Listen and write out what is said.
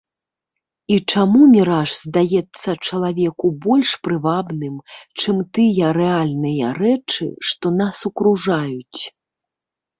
І чаму міраж здаецца чалавеку больш прывабным, чым тыя рэальныя рэчы, што нас акружаюць?